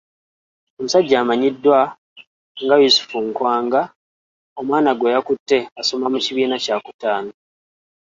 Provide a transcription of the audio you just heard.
Omusajja amanyiddwa nga Yusuf Nkwanga omwana gweyakutte asoma mu kibiina kya kutaano.